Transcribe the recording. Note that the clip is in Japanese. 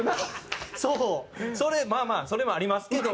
「まあまあそれもありますけど」